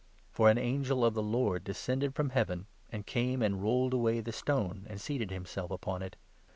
For an angel of the Lord descended from Heaven, and came and rolled away the stone, and seated himself upon it.